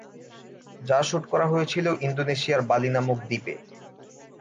যা শুট করা হয়েছিল ইন্দোনেশিয়ার বালি নামক দ্বীপে।